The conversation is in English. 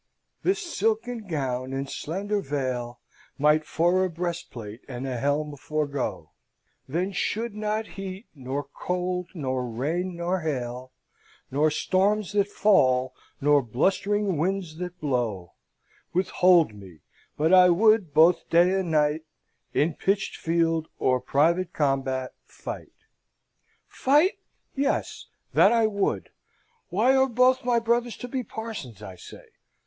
this silken gown and slender veil Might for a breastplate and a helm forgo; Then should not heat, nor cold, nor rain, nor hail, Nor storms that fall, nor blust'ring winds that blow, Withhold me; but I would, both day and night, In pitched field or private combat, fight ' "Fight? Yes, that I would! Why are both my brothers to be parsons, I say?